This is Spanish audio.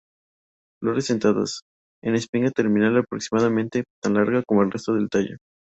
Flores sentadas, en espiga terminal aproximadamente tan larga como el resto del tallo.